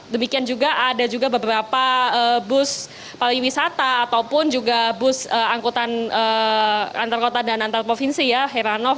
demikian juga ada juga beberapa bus pariwisata ataupun juga bus angkutan antar kota dan antar provinsi ya heranov